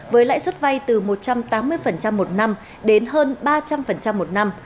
với lãi suất vay từ một trăm tám mươi một năm đến hơn ba trăm linh một năm